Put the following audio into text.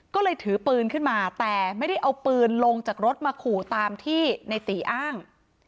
ก็เลยถือปืนขึ้นมาแต่ไม่ได้เอาปืนลงจากรถมาขู่ตามที่ในตีอ้าง